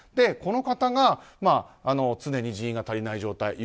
この方が常に人員が足りない状態